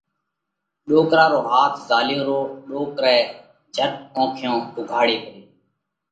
ڏوڪرا رو هاٿ زهاليو رو، ڏوڪرئہ جھٽ اونکيون اُوگھاڙي پري